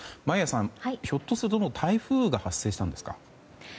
眞家さん、ひょっとすると台風が発生したんですか？